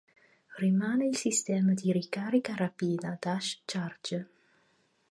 Rimane il sistema di ricarica rapida Dash Charge.